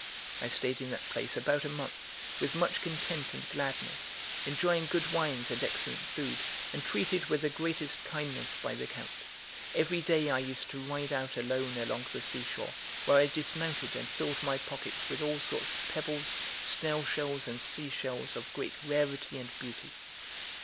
I stayed in that place about a month, with much content and gladness, enjoying good wines and excellent food, and treated with the greatest kindness by the Count; every day I used to ride out alone along the seashore, where I dismounted, and filled my pockets with all sorts of pebbles, snail shells, and sea shells of great rarity and beauty.